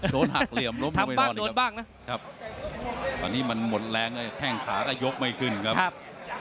โดนหักเหลี่ยมลบไม่รอดนะครับครับตอนนี้มันหมดแรงแล้วแข้งขาก็ยกไม่ขึ้นครับ